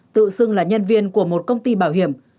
tự xưng là nhân viên của một công ty bảo hiểm